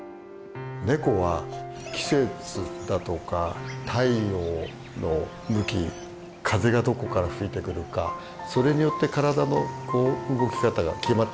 ネコは季節だとか太陽の向き風がどこから吹いてくるかそれによって体の動き方が決まってくると思うんですけど。